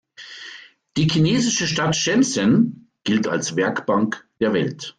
Die chinesische Stadt Shenzhen gilt als „Werkbank der Welt“.